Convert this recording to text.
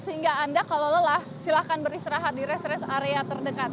sehingga anda kalau lelah silahkan beristirahat di rest rest area terdekat